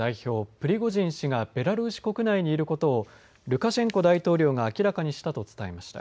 プリゴジン氏がベラルーシ国内にいることをルカシェンコ大統領が明らかにしたと伝えました。